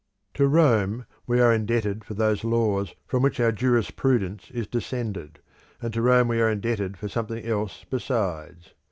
To Rome we are indebted for those laws from which our jurisprudence is descended, and to Rome we are indebted for something else besides.